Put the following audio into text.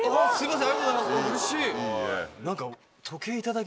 すいません。